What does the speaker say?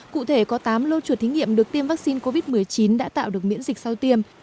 cụ thể có tám lô chuột thí nghiệm được tiêm vaccine covid một mươi chín đã tạo được miễn dịch sau tiêm